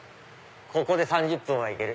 ここで３０分は行ける！